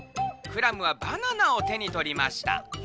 クラムはバナナをてにとりました。